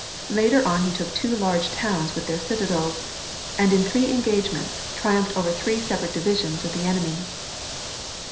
Later on he took two large towns with their citadels; and in three engagements triumphed over three separate divisions of the enemy.